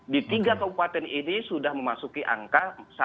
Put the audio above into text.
di tiga kabupaten ini sudah memasuki angka satu